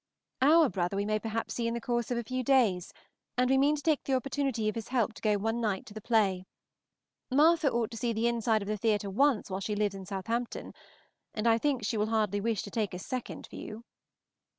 Our brother we may perhaps see in the course of a few days, and we mean to take the opportunity of his help to go one night to the play. Martha ought to see the inside of the theatre once while she lives in Southampton, and I think she will hardly wish to take a second view.